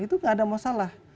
itu gak ada masalah